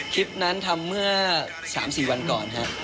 คลิปนั้นทำเมื่อ๓๔วันก่อนครับ